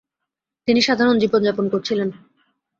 তিনি সাধারণ জীবন যাপন করেছিলেন।